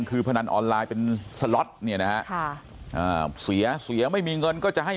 คือพนันออนไลน์เป็นสล็อตเนี่ยนะฮะค่ะอ่าเสียเสียไม่มีเงินก็จะให้